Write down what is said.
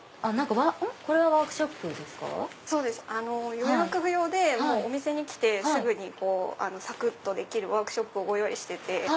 予約不要でお店に来てすぐにさくっとできるワークショップをご用意してて。